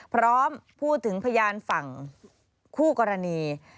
พร้อมพูดถึงพยานฝั่งคู่กรณี